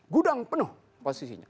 gudang penuh posisinya